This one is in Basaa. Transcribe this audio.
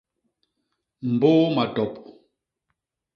Mbôô matop.